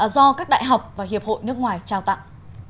do các đại học và hiệp hội nước ngoài trao tặng